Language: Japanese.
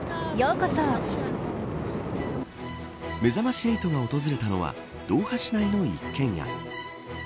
めざまし８が訪れたのはドーハ市内の一軒家。